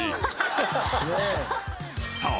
［そう。